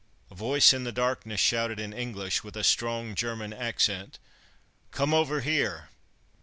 A voice in the darkness shouted in English, with a strong German accent, "Come over here!"